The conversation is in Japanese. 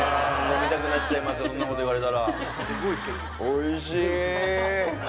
そんなこと言われたらおいしい！